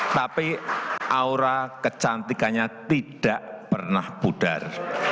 tapi aura kecantikannya tidak pernah pudar